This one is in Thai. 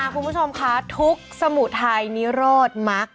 คุณผู้ชมคะทุกสมุทัยนิโรธมัก